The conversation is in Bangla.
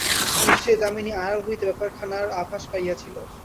নিশ্চয় দামিনী আড়াল হইতে ব্যাপারখানার আভাস পাইয়াছিল।